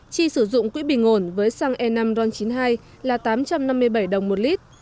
chi sử dụng quỹ bình ổn với xăng e năm ron chín mươi hai là tám trăm năm mươi bảy đồng một lít